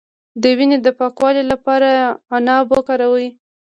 د وینې د پاکوالي لپاره عناب وکاروئ